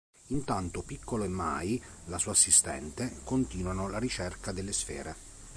Intanto Piccolo e Mai, la sua assistente, continuano la ricerca delle sfere.